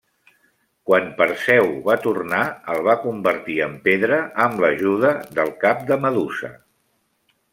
Quan Perseu va tornar el va convertir en pedra amb l'ajuda del cap de Medusa.